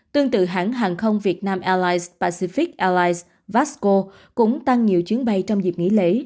tương tự hãng hàng không việt nam airlines pacific airlines vasco cũng tăng nhiều chuyến bay trong dịp nghỉ lễ